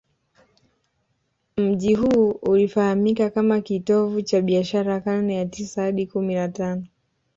Mji huu ulifahamika kama kitovu cha biashara karne ya tisa hadi kumi na tano